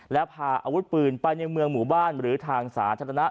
และพาอาวุธปืนไปในเมืองหมู่บ้านหรือทางสาธารณะ